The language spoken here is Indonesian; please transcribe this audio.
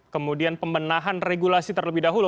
kemudian pembenahan regulasi terlebih dahulu